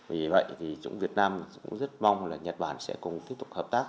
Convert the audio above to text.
vì vậy thì việt nam cũng rất mong là nhật bản sẽ cùng tiếp tục hợp tác